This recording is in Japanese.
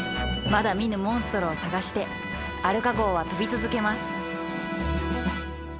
まだ見ぬモンストロを探してアルカ号は飛び続けます